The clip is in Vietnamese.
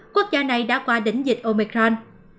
quốc gia này đã qua đỉnh dịch omicron